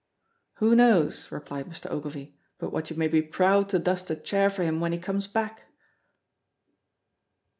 "Who knows," replied Mr. Ogilvy, "but what you may be proud to dust a chair for him when he comes back?"